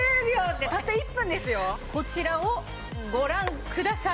こちらをご覧ください！